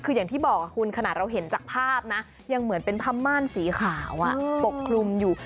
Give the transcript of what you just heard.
คืออย่างที่บอกคุณขนาดเราเห็นจากภาพนะยังเหมือนเป็นผ้าม่านสีขาวปกคลุมอยู่